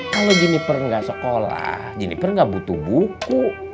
kalau jeniper nggak sekolah jenniper nggak butuh buku